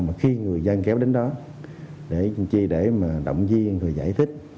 mà khi người dân kéo đến đó để chi để mà động viên rồi giải thích